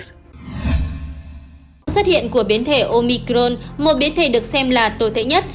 xuất hiện của biến thể omicron một biến thể được xem là tồi tệ nhất